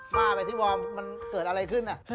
ว่าไปสิวอร์มมันเกิดอะไรขึ้นน่ะ